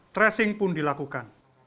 tracing pun dilakukan